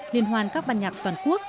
liên hoan các ban nhạc toàn quốc